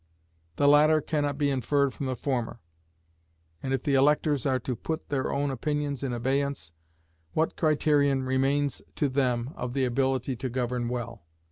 The latter can not be inferred from the former; and if the electors are to put their own opinions in abeyance, what criterion remains to them of the ability to govern well?